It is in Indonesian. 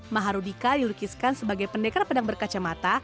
maharudika dilukiskan sebagai pendekar pedang berkacamata